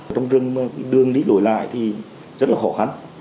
trong rừng đường đi lối lại thì rất là khó khăn